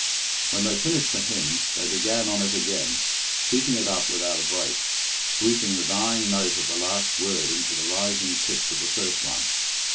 When they finished the hymn, they began on it again, keeping it up without a break, sweeping the dying note of the last word into the rising pitch of the first one.